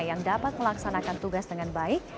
yang dapat melaksanakan tugas dengan baik